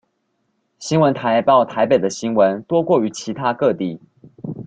新聞台報台北的新聞多過於其他各地